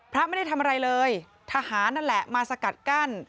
พระไม่ได้ทำอะไรเลยทหารนั่นแหละมาสกัดกั้น